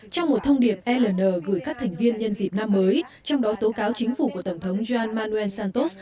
trong một thông điệp eln gửi các thành viên nhân dịp năm mới trong đó tố cáo chính phủ của tổng thống juan manuel santos